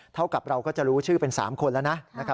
เท่ากับเราก็จะรู้ชื่อเป็น๓คนแล้วนะ